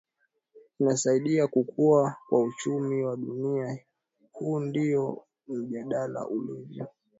inasaidia kukua kwa uchumi wa dunia huu ndio mjadala ulivyo